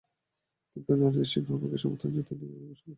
কিন্তু নারীদের সিংহ ভাগ সমর্থন জিতে নিয়ে সবাইকে তাক লাগিয়ে দিয়েছেন তিনি।